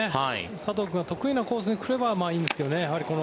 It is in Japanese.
佐藤君が得意なコースで来ればいいんですけどね。